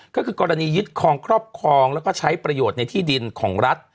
ก็คือกรณียึดคลองครอบครองแล้วก็ใช้ประโยชน์ในที่ดินของรัฐ